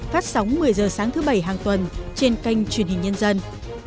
phát sóng một mươi h sáng thứ bảy hàng tuần trên kênh truyền hình nhân dân